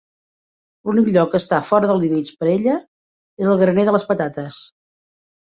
L'únic lloc que està fora de límits per a ella és el graner de les patates.